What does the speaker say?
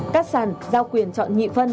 các sàn giao quyền chọn nhị phân